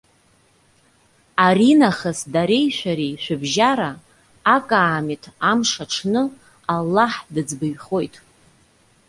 Ари нахыс дареи шәареи шәыбжьара, акаамеҭ амш аҽны Аллаҳ дыӡбаҩхоит.